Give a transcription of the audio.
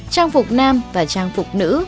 trang phục nam và trang phục nữ